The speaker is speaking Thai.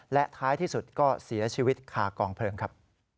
และท้ายที่สุดก็เสียชีวิตคากองเพลิงครับ